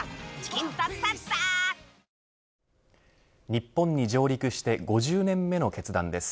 日本に上陸して５０年目の決断です。